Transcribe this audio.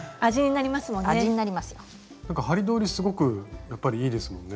なんか針通りすごくやっぱりいいですもんね。